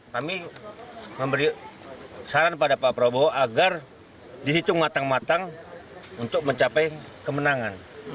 kami memberi saran pada pak prabowo agar di situ ngatang ngatang untuk mencapai kemenangan